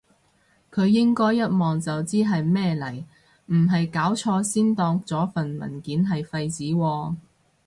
佢應該一望就知係咩嚟，唔係搞錯先當咗份文件係廢紙喎？